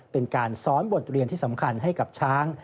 เป็นการซ้อนบทเรียนที่สำคัญให้กับช้าง